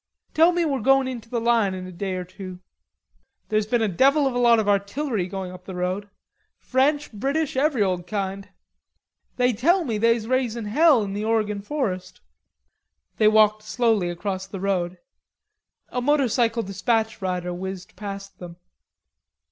"Tell me we're going into the line in a day or two." "There's been a devil of a lot of artillery going up the road; French, British, every old kind." "Tell me they's raisin' hell in the Oregon forest." They walked slowly across the road. A motorcycle despatch rider whizzed past them.